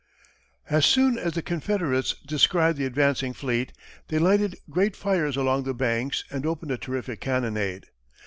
As soon as the Confederates descried the advancing fleet, they lighted great fires along the banks and opened a terrific cannonade.